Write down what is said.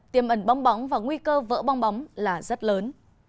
tiềm ẩn bong bóng và nguy cơ vỡ bong bóng là rất lớn